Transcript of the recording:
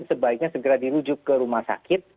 sebaiknya segera dirujuk ke rumah sakit